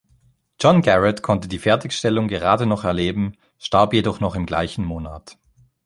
John Garrett konnte die Fertigstellung gerade noch erleben, starb jedoch noch im gleichen Monat.